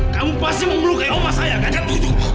kamu pasti mau melukai opah saya gajah tujuh